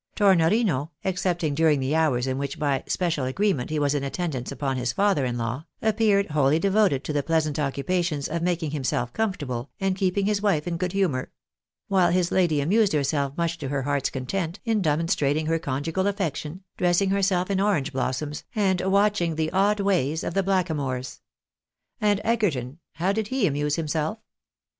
Tornorino, excepting during the hours in Avhich by special agreement he was in attendance upon his father in law, appeared wholly devoted to the pleasant occupations of making himself comfortable, and keep ing his wife in good humour ; while his lady amused herself much to her heart's content, in demonstrating her conjugal affection, dressing herself in orange blossoms, and watching the odd ways of the blackamoors. And Egerton, how did he amuse himself?